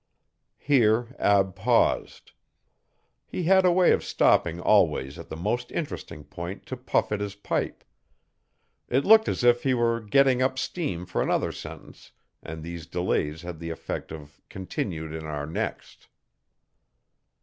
Here Ab paused. He had a way of stopping always at the most interesting point to puff at his pipe. It looked as if he were getting up steam for another sentence and these delays had the effect of 'continued in our next'.